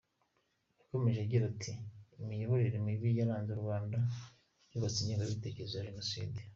Yakomeje agira ati “Imiyoborere mibi yaranze u Rwanda yubatse ingengabitekerezo ya Jenoside.